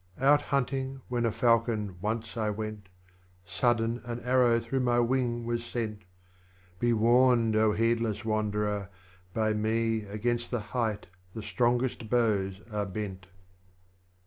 5. Out bunting, when a Falcon, once I went ; Sudden an Arrow through my wing was sent. Be warned, heedless Wanderer ! by me. Against the Height the strongest Bows are bent.